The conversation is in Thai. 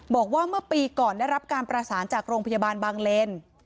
บอกว่าเมื่อปีก่อนได้รับการประสานจากโรงพยาบาลบางเลน